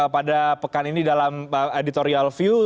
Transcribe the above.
pada pekan ini dalam editorial view